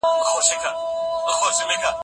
سوله د ټولني تر ټولو لویه اړتیا وه.